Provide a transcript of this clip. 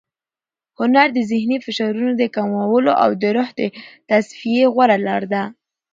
هنر د ذهني فشارونو د کمولو او د روح د تصفیې غوره لار ده.